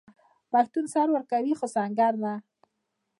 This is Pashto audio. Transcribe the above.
پښتون سر ورکوي خو سنګر نه.